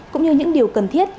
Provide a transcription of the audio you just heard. cũng như những điều cần thiết